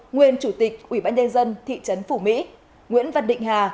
nguyên chủ tịch ubnd thị trấn phù mỹ nguyễn văn định hà